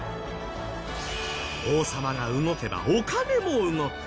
王様が動けばお金も動く。